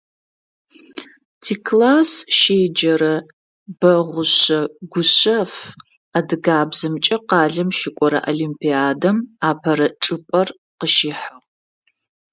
Тикласс щеджэрэ Бэгъушъэ Гушъэф адыгабзэмкӀэ къалэм щыкӀогъэ олимпиадэм апэрэ чӀыпӀэр къыщихьыгъ.